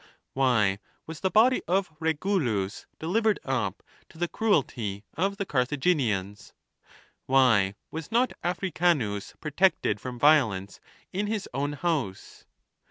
Why was the body of Regulus delivered up to the cruelty of the Carthaginians ? Why was not Africanus protected from violence in his own house